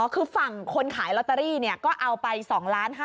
อ๋อคือฝั่งคนขายลอตเตอรี่ก็เอาไป๒๕๐๐๐๐๐บาท